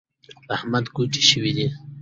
په احمد کوډي شوي دي .